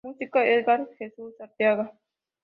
Música: Edgar Jesús Arteaga.